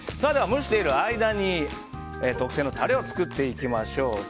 では蒸している間に特製のタレを作っていきましょう。